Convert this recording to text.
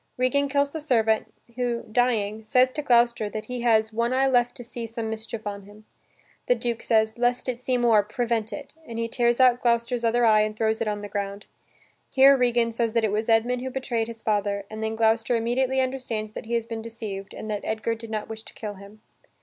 Regan kills the servant, who, dying, says to Gloucester that he has "one eye left to see some mischief on him." The Duke says, "Lest it see more, prevent it," and he tears out Gloucester's other eye and throws it on the ground. Here Regan says that it was Edmund who betrayed his father and then Gloucester immediately understands that he has been deceived and that Edgar did not wish to kill him.